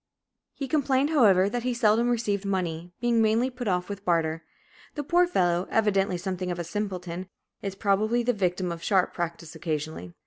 He complained, however, that he seldom received money, being mainly put off with barter. The poor fellow, evidently something of a simpleton, is probably the victim of sharp practice occasionally.